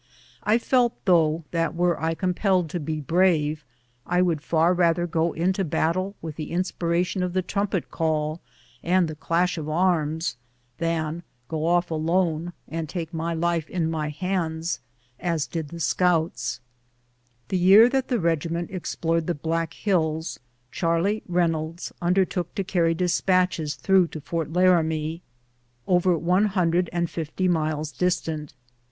I felt, though, that were I compelled to be brave, I would far rather go into battle with the inspiration of the trumpet call and the clash of arms, than go off alone and take my life in my hands as did the scouts* The year that the regiment explored the Black Hills, Charley Reynolds undertook to carry despatches through to Fort Laramie, over one hundred and fifty miles distant.